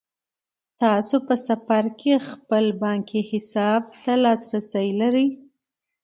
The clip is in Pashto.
تاسو په سفر کې هم خپل بانکي حساب ته لاسرسی لرئ.